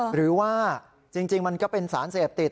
หรือว่าจริงมันก็เป็นสารเสพติด